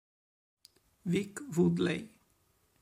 Vic Woodley